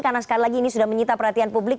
karena sekali lagi ini sudah menyita perhatian publik